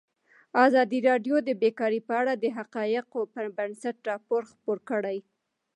ازادي راډیو د بیکاري په اړه د حقایقو پر بنسټ راپور خپور کړی.